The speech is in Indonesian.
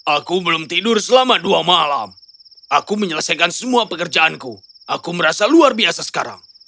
aku belum tidur selama dua malam aku menyelesaikan semua pekerjaanku aku merasa luar biasa sekarang